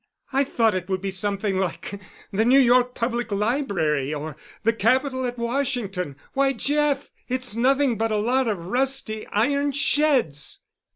I thought it would be something like the New York Public Library or the Capitol at Washington! Why, Jeff, it's nothing but a lot of rusty iron sheds!"